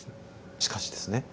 しかしですね